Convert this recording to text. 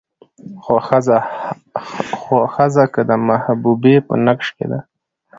خو ښځه که د محبوبې په نقش کې ده